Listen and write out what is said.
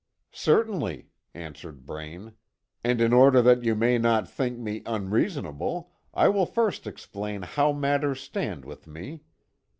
"Certainly," answered Braine; "and in order that you may not think me unreasonable, I will first explain how matters stand with me.